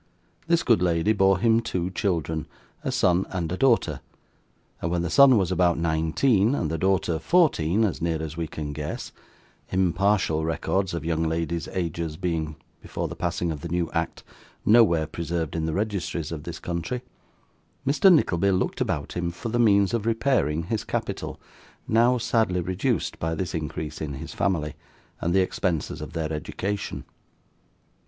This good lady bore him two children, a son and a daughter, and when the son was about nineteen, and the daughter fourteen, as near as we can guess impartial records of young ladies' ages being, before the passing of the new act, nowhere preserved in the registries of this country Mr Nickleby looked about him for the means of repairing his capital, now sadly reduced by this increase in his family, and the expenses of their education.